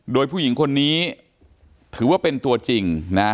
โดยผู้หญิงคนนี้ถือว่าเป็นตัวจริงนะ